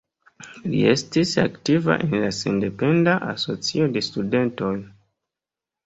Li estis aktiva en la Sendependa Asocio de Studentoj.